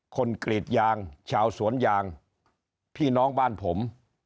กรีดยางชาวสวนยางพี่น้องบ้านผม